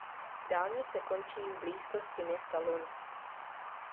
Dálnice končí v blízkosti města Lund.